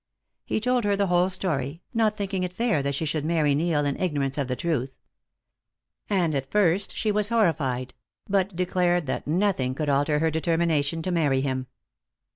He told her the whole story, not thinking it fair that she should marry Neil in ignorance of the truth. And at first she was horrified; but declared that nothing could alter her determination to marry him.